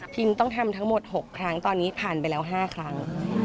ต้องทำทั้งหมด๖ครั้งตอนนี้ผ่านไปแล้ว๕ครั้ง